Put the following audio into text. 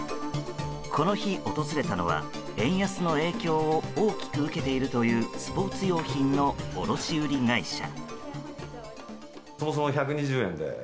この日、訪れたのは円安の影響を大きく受けているというスポーツ用品の卸売会社。